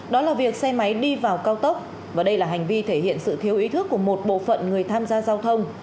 đó là việc xe máy đi vào cao tốc và đây là hành vi thể hiện sự thiếu ý thức của một bộ phận người tham gia giao thông